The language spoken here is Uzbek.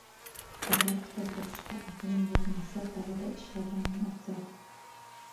• Agar kitob o‘qishga aqling yetmasa dalada ishlaganing afzal.